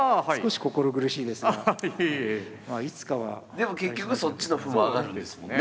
でも結局そっちの歩も上がるんですもんね。